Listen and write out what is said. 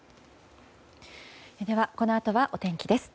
このあとはお天気です。